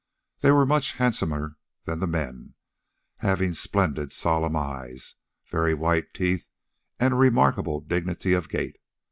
They were much handsomer than the men, having splendid solemn eyes, very white teeth, and a remarkable dignity of gait.